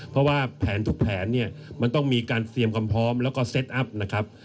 เพราะว่าแผนทุกแผนเนี่ยมันต้องมีการเตรียมความพร้อมแล้วก็เซตอัพนะครับ